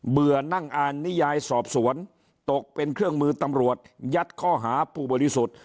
ื่อนั่งอ่านนิยายสอบสวนตกเป็นเครื่องมือตำรวจยัดข้อหาผู้บริสุทธิ์